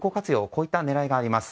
こういった狙いがあります。